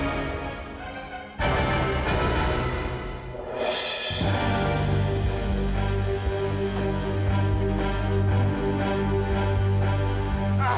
masji ingat rama